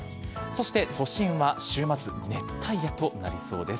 そして、都心は週末、熱帯夜となりそうです。